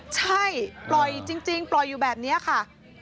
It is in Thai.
ใช่ปล่อยจริงปล่อยอยู่แบบนี้ค่ะ